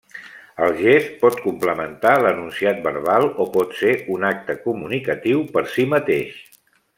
El gest pot complementar l'enunciat verbal o pot ser un acte comunicatiu per si mateix.